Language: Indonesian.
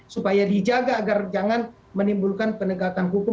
supaya dijaga agar jangan menimbulkan penegakan hukum